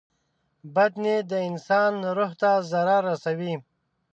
• بد نیت د انسان روح ته ضرر رسوي.